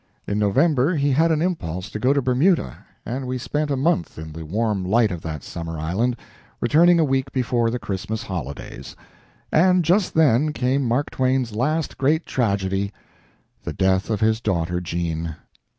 In November he had an impulse to go to Bermuda, and we spent a month in the warm light of that summer island, returning a week before the Christmas holidays. And just then came Mark Twain's last great tragedy the death of his daughter Jean.